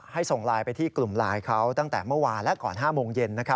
ส่งไลน์ไปที่กลุ่มไลน์เขาตั้งแต่เมื่อวานและก่อน๕โมงเย็น